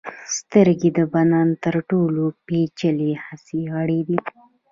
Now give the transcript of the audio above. سترګې د بدن تر ټولو پیچلي حسي غړي دي.